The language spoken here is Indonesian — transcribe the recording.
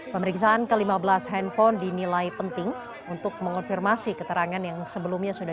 pemeriksaan ke lima belas handphone dinilai penting untuk mengonfirmasi keterangan yang sebelumnya sudah